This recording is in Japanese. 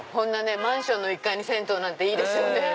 マンションの１階に銭湯なんていいですよね。